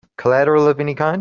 Collateral of any kind?